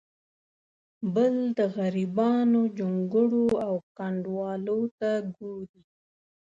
بل د غریبانو جونګړو او کنډوالو ته ګوري.